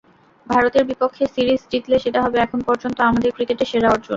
ভারতের বিপক্ষে সিরিজ জিতলে সেটা হবে এখন পর্যন্ত আমাদের ক্রিকেটের সেরা অর্জন।